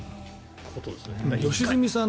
良純さん